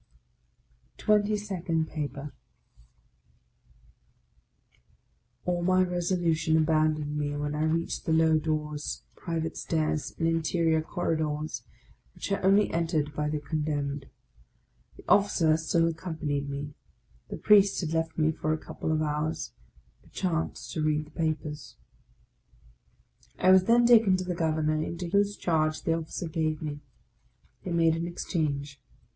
TWENTY SECOND PAPER ALL my resolution abandoned me when I reached the low doors, private stairs, and interior corridors, which are only entered by the condemned. The Officer still accom panied me : the Priest had left me for a couple of hours — perchance to read the papers! I was then taken to the Governor, into whose charge the Officer gave me. They made an exchange.